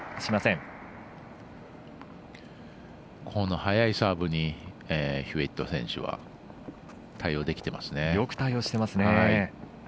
速いサーブにヒューウェット選手は対応できてますね。